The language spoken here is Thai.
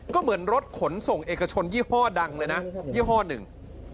ก็เหมือนรถขนส่งเอกชนยี่ห้อดังเลยนะยี่ห้อหนึ่ง